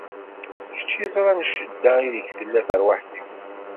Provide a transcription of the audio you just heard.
Kečč iẓran ccedda ideg tella tarwiḥt-iw.